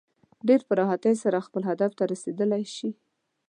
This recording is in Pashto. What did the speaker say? ډېر په راحتۍ سره خپل هدف ته رسېدلی شي.